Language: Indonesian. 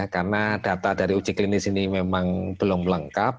karena data dari uji klinis ini memang belum lengkap